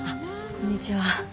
こんにちは。